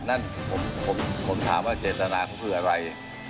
นั่นผมถามว่าเจตนาเขาคืออะไร